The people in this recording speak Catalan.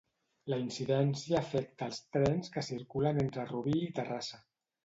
La incidència afecta els trens que circulen entre Rubí i Terrassa.